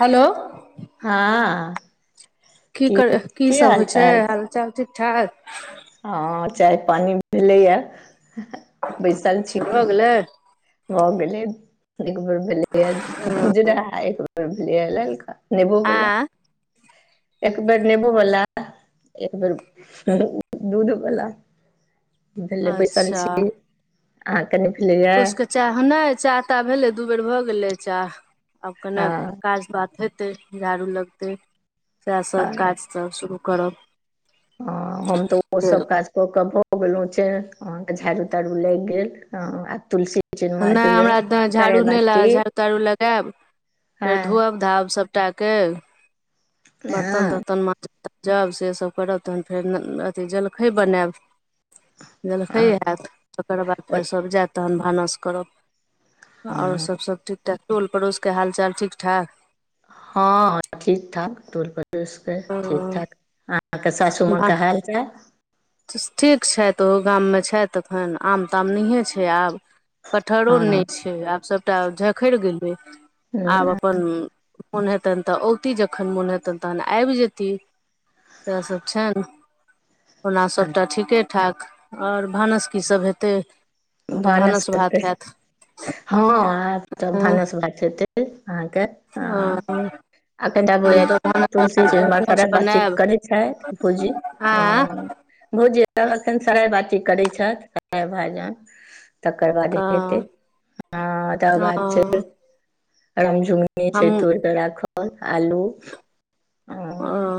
Hello. हँ। की करै की कीसभ हाल होइ चाल छैय हालचाल ठीक ठाक। हँ चाय पानि भेलैए। से भऽ गेलै। भऽ गेलै एक बेर भेलै उजरा एक बेर भेलै ललका। नेबो बला। आँ एक बेर नेबो वला एक बेर दूध वला। हुनका लेल बैसल अच्छा छी अहाँ के नहि भेलैया। पुरुषके चाह नहि चाह ता भेले दू बेर भऽ गेलै चाह आब कने हँ काज बात हे ते झाड़ू लगते सएह सब काज सब शुरू करब। ह हम तऽ ओ फेर सब काज क के भऽ गेलो चेहं झाड़ू ताड़ू लागि गेल आ तुलसी चिन्मार नहि होइया हमरा तऽ झाड़ू नहि करेबाती लागत झाड़ू ताड़ू लगायब फेर हँ धोअब धाब सब कटा के बर्तन हँ तर्तन माज जाब से सब करब तहन फेर अथी जलखै बनायब। देलखै हएैत हँ तकर बाद फेर सभ जायत तहन भानस करब। आओरो हँ सब सब ठीकठाक टोल पड़ोसके हाल चाल ठीक ठाक। हँ हँ ठीक ठाक टोल पड़ोस ते ठीक ठाक अहाँके सासु माँके धान हाल च ठीक छथि तऽ ओहो गाममे छथिखन आम ताम नहिए छैय आब। कटहरो हँ नहि छैय आब सभटा झखरि गेलै आब अ पन मोन हेतनि तऽ औती जखन मोन हेतनि तखन आबि जेती। सएह सब छैन। ओना सभटा ठीके ठाक आओर भानस की सभ हेतै। आब तऽ भानस भात हयैत। हँ आब तऽ भानस भात खेतै अहाँके हँ। हम आखनि तऽब तऽ भानस बनायब तुलसी चमार अरिकोंच सारा बातचीत बनायब करै छै भूजी आँ हँ। भोजी एखन सराय बाटी करै छैथ सराइ भाजन। तकर बादे हेतै ह तकर बाद अ फेर रम झुगनी छैय तोड़िके राखल आलू ओ हँ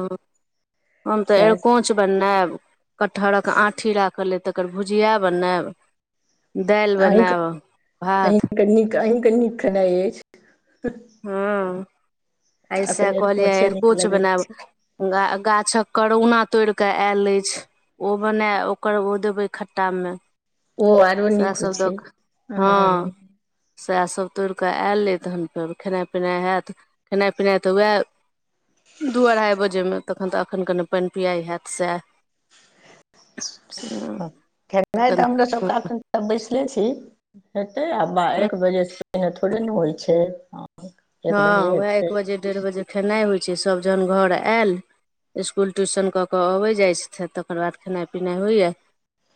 हम त सएह अरकोच बनैब कटहरक आँठी राख ल अय तकर भुजिया बनैब दाइल बनैब भात त अहींके नीक खेनाइ अछि। हँ आय सेह अखन कहलियै आय अरिकोंचे नीक अरिकोंच लगै बनैब। छै गा गाछक करोना तोइड़ कऽ आयल अइछ। ओ बना ओकर ओ देबै खट्टामे। ओ आरो नीक होइ सएहसभ दऽ छै क हँ। सएह सब तोड़िके आयल अय तहन फेर खेनाइ पिनाइ हैत खेनाइ पिनाइ तऽ वएह दू अढ़ाइ बजेमे तखन त अखैन कनि पइन पिआइ हैत सेह। खेनाइ तऽ हमरो सब कनि क अखन सब बैसले छी हेतै आ बा एक बजेसँ पहिने थोड़े ने होइ छैय। हँ वेह एक बजे डेढ़ बजे खेनाइ होइ छैय सब जहैन घर ऐल इसकुल ट्यूशन क क अबै जाइ छथिन तकर बाद खेनाइ पिनाइ होइए।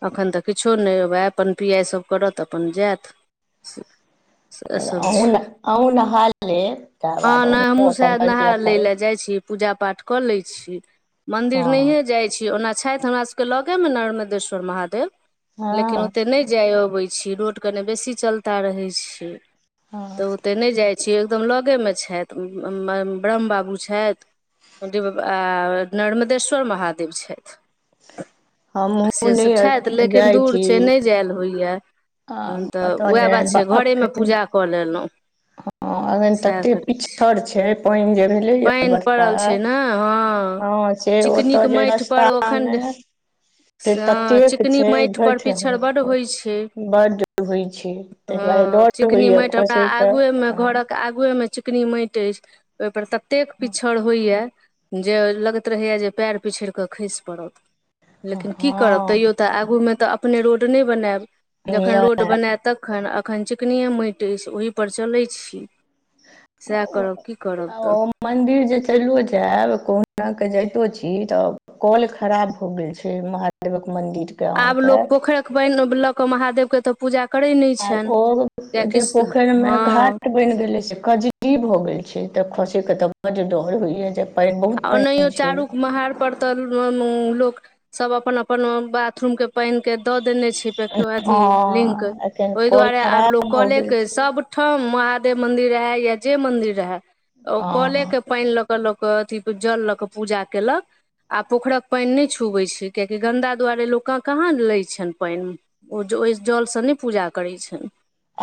अखैन त किछो नै वएह पइन पिआइ सभ करत अपन जैत से। अहुँ-अहुँ नहा लेब। तकर हँ बाद नय हमु अहूँ अपन सेह नहा परकिया लै करब लए जाइ छी। पूजा-पाठ कऽ लै छी। मन्दिर हँ नहिए जाय छी ओना छैथ हमरा के लगेमे नर्मदेश्वर महादेव। हँ। लेकिन ओते नै जय अबैत रहै छी रोड कने बेसी चलता रहै छैय। त हँ ओते नै जाइ छी एकदम लगेमे छैथ ब ब्रह्म बाबू छैथ आ नर्मदेश्वर महादेव छैथ। हमहूँ से सब छैथ नहि लेकिन जाइ दूर छी छैय नै जैल होइए। तखन त एतऽ उहे बात नहि छैय घरेमे पूजा कऽ लेलौं। ह अखैन तते पिछड़ छैय पाइन जे भेलये पानि पड़ल छै बरसात ने हँ से ओतऽ चिकनीक जे माटि पर एखन रस्तामे से ततेक चिकनी छैय माटि भइर पर पिछड़ बड्ड ठेहुन होइ छै बड्ड होइ छैय। तय दुआरे डर त होइये खसयकेऽ। हमर घरके आगुए में चिकनी माइट अइछ ओय पर ततेक पिछड़ होइया जे लगैत रहैया जे पैर पिछड़ क खइस पड़त। लेकिन की करब तैयो त आगूमे त अपने रोड नै बनैब जखन रोड नहि बनैत त तखन अखन चिकनिये माइट अइछ ओहिपर चलै छी। सएह करब की करब त। ओ मन्दिर जे चैलो जैब कहुनाके जाइतो छी तब कऽल खराब भ गेल छैय महादेवक मंदिरके आब लोक पोखरक पाइन ल के महादेवके त पूजा करय नै आ ओ जे पोखैरमे हँ घाट बइन गेलै से कजरी भ गेल छैय त खसैके त बड डर होइये जे पानि बहुत आ ओनहियो पानि छै चारूक महार पर त लोक सब अपन- अपन बाथरूमके पाइन के द देने छैय। प्रतिवाचि लिंक हँ एखन ओय कॉल दुआरे आब लोक खराब भऽ कलेलकय गेल के छै सब ठाम महादेव मंदिर रहे या जे मंदिर रहे ओ कले हँ के पइन ल के लोक के अथी औइ जल लऽ कऽ पूजा केलक आ पोखरिक पाइन नय छुबैत छै कियकि गन्दा दुआरे लोक के कहाँ लैय छइन पाइन ओ ज ओहि जलसँ नय पूजा करैत छइन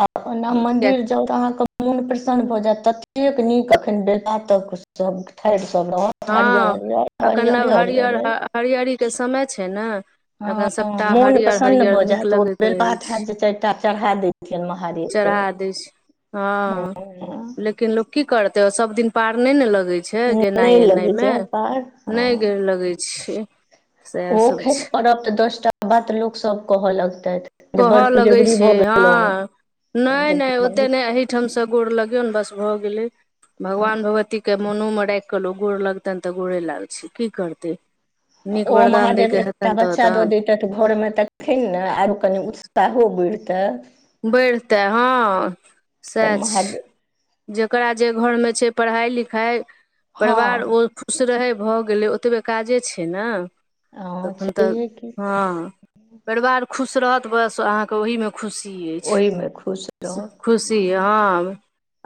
आ फो ना मन्दिर चाउर अहाँ के मोन प्रसन्न भ जायत ततेक नीक अखन बैलपात त सब ठाढ़र सब रहत बर गर्मी अइ तऽ अरे-अरे अरे अरे हरियरीके समय छैय ना हँ मोन प्रसन्न भऽ जायत ओ लगैत बेल रहै पात छै हैत जे चाइर टा चढ़ा दिई जय महादेव क चढ़ा दै छै हँ लेकिन लोक की करतैय सभदिन पार नय नेपार लगैत छैय गेनाइ एना [unintelligible] ओ छै सएह सब खस छै पब तऽ दसटा बात लोक सब कहऽ लगत जे बड़ पुजगरी भऽ गेलऊ नय नय ओतेक नय एहठामसँ गोर लगियौन बस भऽ गेलैय हँ भगवान भगवतीके के मोनो में राइख कऽ गोड़ लगतइन तऽ गोड़े लाग छी की करतैय ओ महादेव एकटा तऽ बच्चााद देअ घर मे तैखथि नै आरो कनि उत्साहो बढ़तै बढ़तै हँ तऽ सएह महादेव छैय जकरा जे घरमे छैय पढ़ाइ लिखाइ परिवार हँ ओ खुश रहैय भऽ गेलै ओतबे काजे छैय ना। हँ तखन तऽ छैहे की हँ परिवार खुश रहत बस अहाँके ओहीमे खुशी खुशी ओहिमे खुश अइछ खुशी रहब हा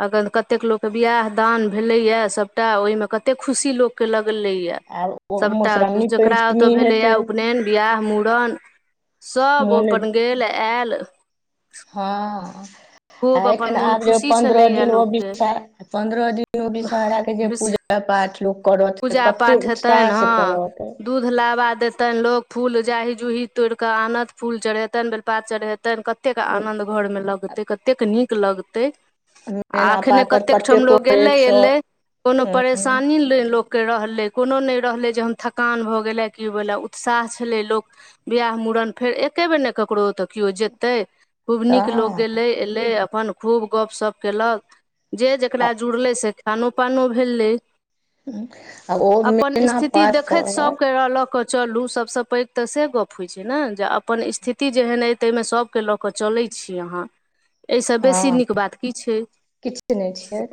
अखन कतेक लोक बियाह दान भेलैएयै सभटा ओहिमे कतेक खुशी लोकके लगलैए यै आब ओ सभटा मधुश्रावणी जकरा ओत पञ्चमी भेलैए हेतै उपनैन बियाह मुड़न सब मोन अपन गेल आएल हँ आ खूब अपन एखन मोन आब जे खुशी पन्द्रह छलैए दिन ओ लोकके विषारा पन्द्रह दिन ओ विषहराके जे बिस पूजा पूजा पाठ लोक करत पूजा कते पाठ उत्साह हेतनि सऽ हँ करत तइ दूध लाबा देताइन लोग फूल जाही जूही तोड़ कऽ आनत फूल चढ़ेैतइन बेलपात चढ़ेैतइन क कतेक आनद घर मे लगतैय कतेक नीक लगतैय आ मेना एखने पात पर कतेक ठाम कतेको लोक एक गेलैय एलैय सए कोनो परेशानी नय लोक के रहलैय कोनो नय रहलैय जे हम थकान भऽ गेलैय कि भेलए उत्साह छलैय लोक वियाह मूड़न फेर एक्के बेर नय लोक ककरो तऽ किओ जेयतैय खूब नीक लोक गैलय एलैय अपन खूब गप्पशप्प केलक। जे हँ जकरा जुड़लैय से खानो पानो भेलैय आ ओ अपन मैना स्थिति पात देखैत पर सभके रहलक केऽ चलू सभसँ पैघ तऽ से गप होइत छैय ना जे अपन स्थिति जेहन अइ तइमे सभ सबके लऽ कऽ चलैय छी अहाँ एहिसँ बेसी हँ नीक बात की छै हूँ किछ नय छय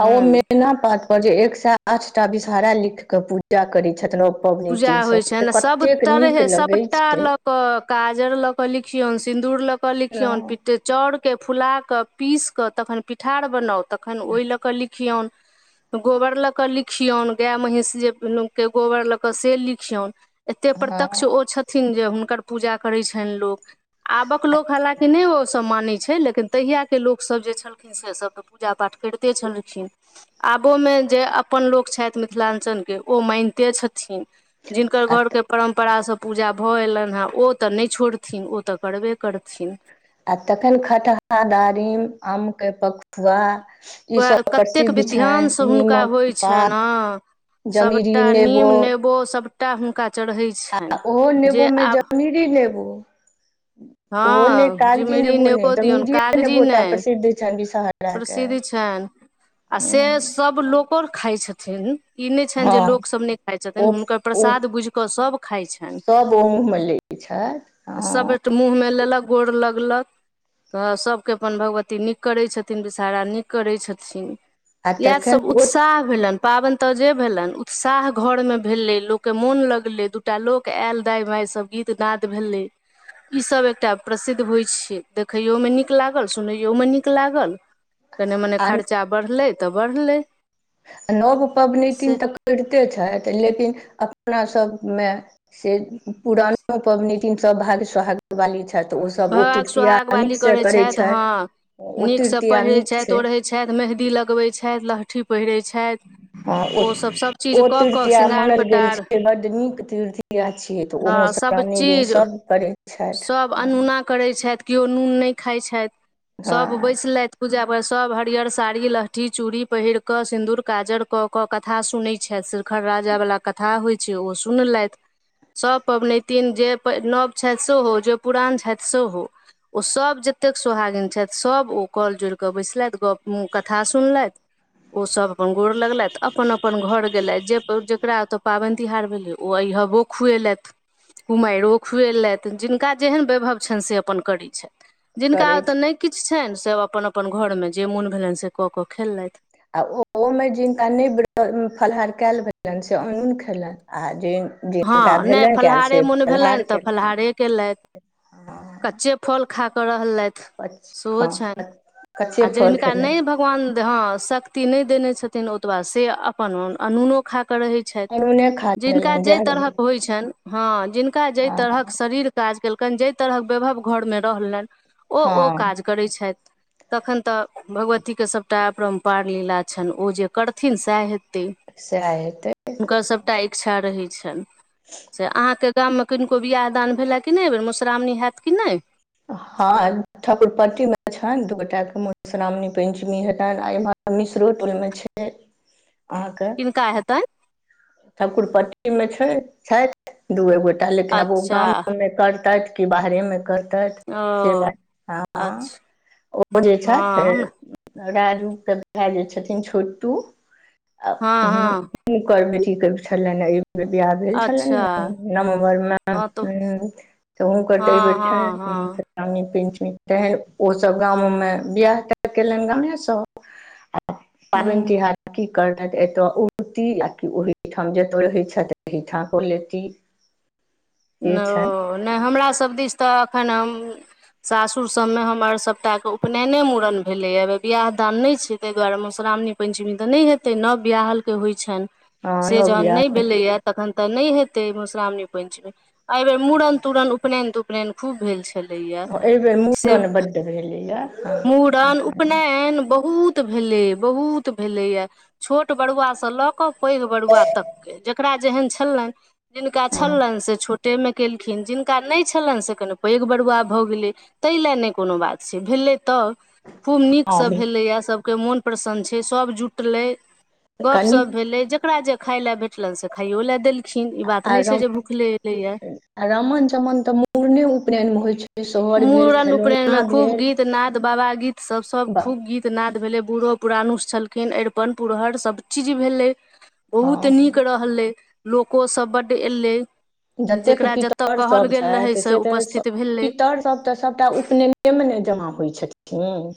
आ ओ मैना पात अपन जे [unintelligible] एक सै आठ टा बिषहाररा लिख कऽ पूजा करैत छथिन ओ पूजा पबनैतिन होइ सब से छइन सभ कतेक नीक तरहे लगै सभटा छै लऽ कऽ काजर लऽ कऽ लिखियौन सिन्दूर लऽ कऽ लिखियौन हँ चाउरके फुलााकऽ पीस कऽ तखन पिठार बनाउ तखन ओय लऽ कऽ लिखियौन गोबर लऽ कऽ लिखियौन गैय महींष जे के गोबर लऽ कऽ से लिखियौन एते प्रत्यक्ष ओ छथिन जे हुनकर पूजा करै छइन लोको आबक लोक हलााँकि नइ ओसभ मानैत छै लेकिन तहियाके लोकसभ जे छलखिन से सभ तऽ, पूजा पाठ करिते छलखिन। आबो मे जे अपन लोक छइथ मिथिलाञ्चल के ओ मानिते छथि थिन जिनकर आ घरके परम्परा सँ पूजा भऽ, एयलईन हेँ ओ तऽ, नइ छोड़थिन ओ तऽ, करबे करथिन। आ तखन खटहा दारिम आमके पकुआ ई उए सब कतेक प्रसिद्ध छनि विध्यान सँ हुनका नीमक होइ छइन ना। पात जमीरी सभटा नेबो नीम नेबो सभटा हुनका चढ़ै छै आ ओहो नेेबो मे जमीरी नेेबो ओहो ने हँ कागजी जिमरी नेबो ने दियौन ज्मीरे कागजी नेबोटा नहि प्रसिद्ध छनि विषहरा कै प्रसिद्ध छनि आ से सब लोकोर खाइ छथिन। ई नइ छइन जे लोक सब नहि खाइत ओ छथिन हुनकर प्रसाद बुझ कऽ सभ खाइत छइन। तब ओ मुँहमे ले। पुछै ह त मुँह मे लेलक गोर लगलक तऽ सभके अपन भगवती नीक करै छथिन, विषाहरा नीक करै छथिन। आ इएह तखन सब ओ उत्साह भेलइन पाबइन तऽ, जे भेलइन उत्साह घर मे भेलै लोक के मोन लगलै दू एकटा लोक आयल दाय माय सब गीत नाद भेलै। ई सब एकटा प्रसिद्ध होइ छै, देखैयोमे नीक लागल सुनैयौ मे नीक लागल कनि मने आ खर्चा बढ़लै तऽ, बढ़लै। नव पबनैतिन से तऽ, करिते छएथ लेकिन अपना सभ मे से पुरानो पबनतिन स भाग सहाग वाली छएथ ओसभ ओ भाग तृतीया सोहाग नीक बाली से करै करैत छथि छैथ। हँ ओ तृतीया आ नीक छै। छैथ मेहदी लगबैत छैथ, लहठी पहिरै छैथ। आ ओ - ओ तृतीय श्रृंगार मानल गेल पेटार छै, बड नीक तृतीय छियै। तऽ ओ हँ मधुश्रावणी दिन सभचीज सभ करै छइथ, सभ हँ अनोना करै छइथ, केओ नून नई खाइ छइथ सब हँ बैसलइथ पूजा पर सब हरियर साड़ी लहठी चूड़ी पहिर के सिन्दूर काजर क के कथा सुनै छैथ। खर राजा बला कथा होइ छै, ओ सुनलइथ सभ पबनैतिन जे प नव छइथ, सेहो हो जे पुरान छइथ, सेहो हो। ओसभ जतेक सोहागिन छइथ सभ ओ कल जोड़ि कऽ बैसलइथ गप मुँह कथा सुनलेथ। ओ सब अपन गोड़ लगलइथ अपन - अपन घर गेलइथ जे जेकरा ओतो पाबइन तिहार भेले ओ अहिबो खुएलत कुमाइरो खुएलत जिन हुनका जेहन वैभव छइन से अपन करैत छइथ, जिनका ओतऽ करैत नइ किछु छइन सभ अपन - अपन घरमे जे मोन भेलइन से कऽ, कऽ, खेललइथ आ ओइ मे जिनका नहि फलाहार कयल भेलइन से अंनुन खेलइन आ जै हँ नै फलाहारे मोन भेलइन तऽ, केलनि फलहारे केलइथ कच्चे फल खाकऽ, रहलइथ शो हो हँ छइन कच्चे आ फल जेदिनका नइ खेलथि भ पकवान ह शक्ति नै देने छथिन ओतबा से अपन अनूनो खा के रहे। अनुने खा लेलइन जेहन रहल होइ छइन ह जिनका जे तरहक हँ शरीर काज क कनि जै तरहक वैभव घरमे रहलनि, ओ, ओ काज हँ करैत छथि। तखैन तऽ भगवतीके सभटा अपरम्पार लीला छनि ओ जे करथिन सएह हेतै सैह हेतै। हुनकर सभटा इच्छा रहैत छनि, से अहाँके गाममे किनको बिआह दान भेले कि नहि एहिबेर मधुश्रावणी होयत कि नहि। हँ ठकुरपट्टी मे छनि, दू गोटा के मधुश्रावणी पंचमी हेतनि आ इमहर मिसरो टोल में छै अहाँके किनका हेतैन? ठकुरपट्टीमे छै छथि दू एक गोटा लेकिन आब ओ अच्छा गाममे करतैथ कि बाहरेमे कर तैथ ओ से नहि, अच्छा ओ जे हँ छथि हम राजू के भाय जे छथिन छोटू आ हँ हुन हँ सुनकर बेटी। की छलनि बियाह भेल अच्छा छलनि नवम्बर मे हँ तऽ त हुनकर ते हँ ऐरबेर हँ छैन्ह हँ नमी पंचमी तखैन ओसभ गामोमे बियाह तियाह केलनि गामे सं। पाबनि हुँ तिहार की करतैत एतऽ औतीह आकि ओहि ओहिठाम जतऽ रहै छथि ओहिठाम कऽ लेती। से नहि छनि ओ नहि हमरासभ दिस तऽ एखन हम सासुर सबमे हमर सभटा के उपनयने मूड़न भेलैए बिियाह दान नहि छै ताहि दुआरे मधुश्रावणी पञ्चमी तऽ नहि हेतै नव बियाहलके होइ छनि। हँ से नव जखन बियाह नहि भेलैये तखन तऽ नहि हेतै मधुश्रावणी पंचमी। एहि बेर मूड़न तूड़न उपनयन तुपनयन खूब भेल छै। एहि बेेर मूड़न बड भेलैये। मूड़न, उपनयन बहुत भेलै बहुत भेलैये छोट बड़ुआ से ल के पैघ बरुआ तक के जेकरा जेहन छलनि जिनका छलनि से छो टे नै केलखिन जिनका नहि छलनि से कनि पैघ बरुआ भऽ गेलै तै ले नै कोनो बात छै भेलै तऽ खूब नीकसँ भेलैए सभके मोन प्रसन्न छै सभ जुटलै गप्प कनि शप भेलै जेकरा जे खाय लए भेटलनि से खाइयो ले देलखिन खिन ई बात नहि छै जे भुखले एलैये। आ रमन चमन तऽ मुड़ने उपनयनमे होइ छै सोहर भेल खेलौना भेल। त नाद बाबा गीत सब, सब खूब गीत गीतनाद भेलै, बूढ़ो पुरानुस छलखिन, अरिपन पुरहर सब चीज भेलै। बहुत नीक हँ रहलै, लोकोसभ बढ अयलै। जतेक पितर सब छैथ से त, उपस्थित भेलै पितर सभ तऽ सभटा उपनयने मे ने जमा होइ छथिन।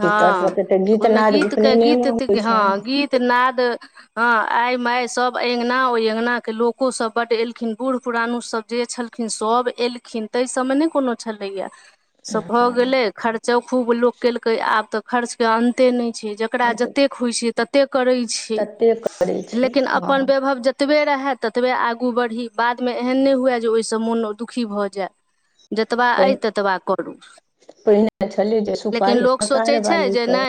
पितर सभके तऽ गीतनाद उपनयनेमे होइत छैन। त नाद हँ आइ माय सभ अंगना ओहि अङगना के लोको सब बड एलखिन बूढ़ पुरानो सब जे छलखिन खिन सभ एलखिन तै सभमे नहि कोनो छलैये। से भऽ गेलै हँ खर्चो खूब लोक केलकै, आब तऽ खर्चके अन्ते नहि छै। जकरा जतेक होइ छै ततेक करै छै, तते करै छै लेकिन अपन हँ वैभव जे जतबे रहै ततबे आगू बढ़ी, बादमे एहन नहि हुए जे ओहिसँ मोन दुखी भऽ जाय। जतबा अइ ततबा करू। पर इने छलल जे लेकिन सुपारी लोक सोचै कार छै जे बालिक। नहि